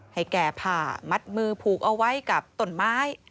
ให้แก่ผ้ามัดมือผูกเอาไว้กับต้นไม้